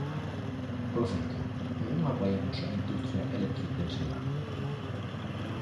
Por certo, ¿por que non apoiamos a industria electrointensiva?